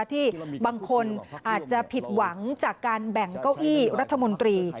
ที่บางคนอาจจะผิดหวังจากการแบ่งเก้าอี้รัฐมนตรี